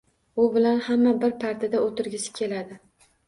U bilan hamma bir partada o‘tirgisi keladi